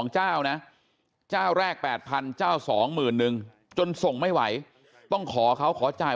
เจ้านะเจ้าแรก๘๐๐เจ้า๒หมื่นนึงจนส่งไม่ไหวต้องขอเขาขอจ่าย